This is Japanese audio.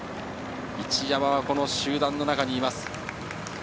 一山は集団の中にいます。